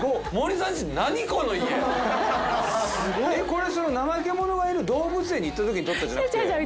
これナマケモノがいる動物園に行ったときに撮ったんじゃなくて森さんの家でしょ？